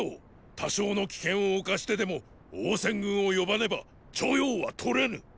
多少の危険を冒してでも王翦軍を呼ばねば著雍は取れぬ。